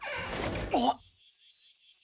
あっ。